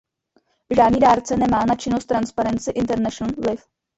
Žádný dárce nemá na činnost Transparency International vliv.